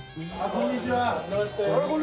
こんにちは。